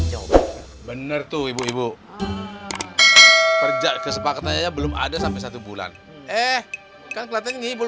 coba bener tuh ibu ibu kerja kesepakatan belum ada sampai satu bulan eh kan kelihatannya ibu